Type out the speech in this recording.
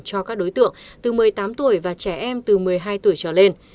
cho các đối tượng từ một mươi tám tuổi và trẻ em từ một mươi hai tuổi trở lên